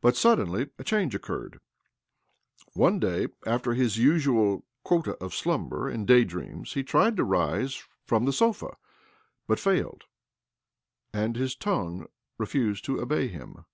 But suddenly a change occurred. One day, after his usual quota of slumber and day dreams, he tried to rise from the sofa, but failed, and his tongue refused to obey him.